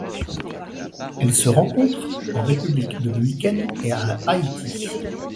Elle se rencontre en République dominicaine et à Haïti.